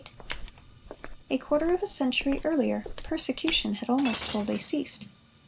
A quarter of a century earlier, persecution had almost wholly ceased.